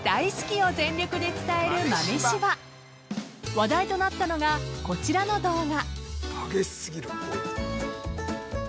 ［話題となったのがこちらの動画］